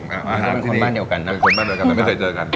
เป็นคนบ้านเดียวกันนะเป็นคนบ้านเดียวกันแต่ไม่เคยเจอกัน